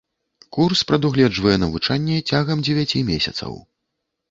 Курс прадугледжвае навучанне цягам дзевяці месяцаў.